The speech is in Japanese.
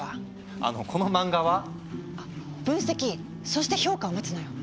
あのこの漫画は？分析そして評価を待つのよ。